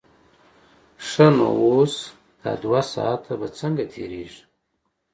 ښه نو اوس دا دوه ساعته به څنګه تېرېږي.